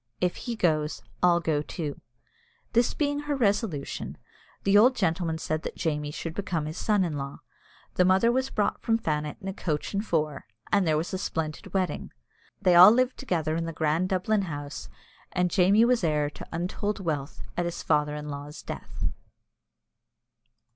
If he goes, I'll go too." This being her resolution, the old gentleman said that Jamie should become his son in law. The mother was brought from Fannet in a coach and four, and there was a splendid wedding. They all lived together in the grand Dublin house, and Jamie was heir to untold wealth at his father in law's death.